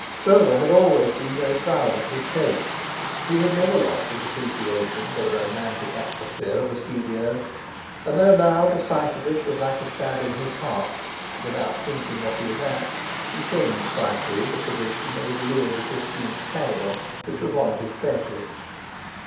Stroeve had always been very proud of his taste. He had never lost his appreciation for the romantic atmosphere of a studio, and though now the sight of it was like a stab in his heart, without thinking what he was at, he changed slightly the position of a Louis XV. table which was one of his treasures.